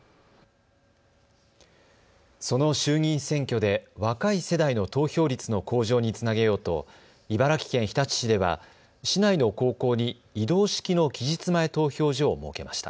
その衆議院選挙で若い世代の投票率の向上につなげようと茨城県日立市では市内の高校に移動式の期日前投票所を設けました。